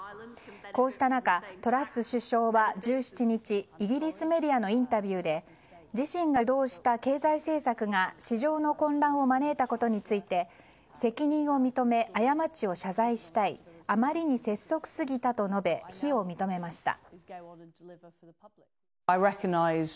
こうした中、トラス首相は１７日イギリスメディアのインタビューで自身が主導した経済政策が市場の混乱を招いたことについて責任を認め過ちを謝罪したいあまりに拙速すぎたと述べ非を認めました。